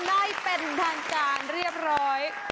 เปิดงานได้เป็นทางการเรียบร้อย